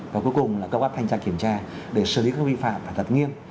và cuối cùng là cơ bác thanh tra kiểm tra để xử lý các vi phạm và thật nghiêm